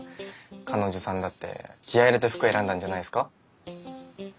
彼女さんだって気合い入れて服選んだんじゃないっすか？